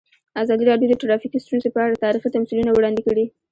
ازادي راډیو د ټرافیکي ستونزې په اړه تاریخي تمثیلونه وړاندې کړي.